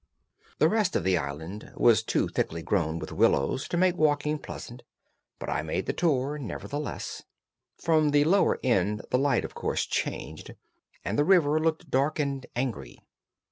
The rest of the island was too thickly grown with willows to make walking pleasant, but I made the tour, nevertheless. From the lower end the light, of course, changed, and the river looked dark and angry.